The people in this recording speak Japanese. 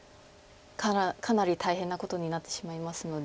かなり大変なことになってしまいますので。